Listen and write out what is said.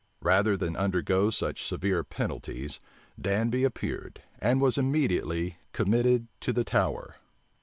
Rather than undergo such severe penalties, Danby appeared, and was immediately committed to the Tower.